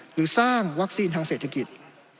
หรือสร้างวัคซีนทางเศรษฐกิจ